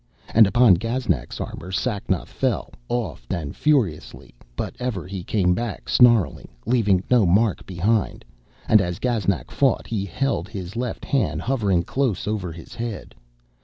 And upon Gaznak's armour Sacnoth fell oft and furiously, but ever he came back snarling, leaving no mark behind, and as Gaznak fought he held his left hand hovering close over his head.